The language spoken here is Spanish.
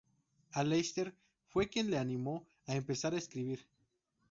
Aleister fue quien la animó a empezar a escribir.